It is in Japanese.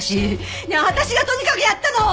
ねえ私がとにかくやったの！